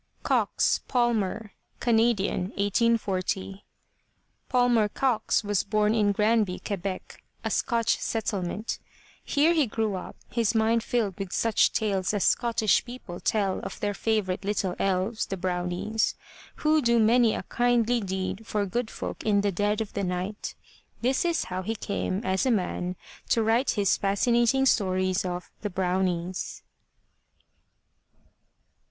COX, PALMER (Canadian, 1840 ) Palmer Cox was bom in Granby, Quebec, a Scotch settlement. Here he grew up, his mind filled with such tales as Scottish people tell of their favorite little elves, the Brownies, who do many a kindly deed for good folk in the dead of night. This is how he came as a man, to write his fascinating stories of The Broivnies.